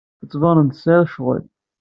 Tettbaneḍ-d tesɛiḍ ccɣel.